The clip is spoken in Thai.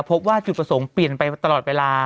พบว่าจุดประสงค์เปลี่ยนไปตลอดเวลา